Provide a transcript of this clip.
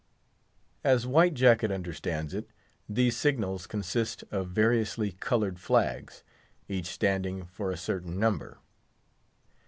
As White Jacket understands it, these signals consist of variously coloured flags, each standing for a certain number.